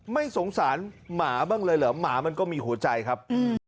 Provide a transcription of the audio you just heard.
ไม่สงสารหมาบ้างเลยเหรอหมามันก็มีหัวใจครับ